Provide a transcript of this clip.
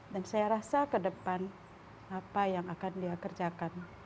dan saya rasa ke depan apa yang akan dia kerjakan